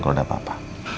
kalau ada apa apa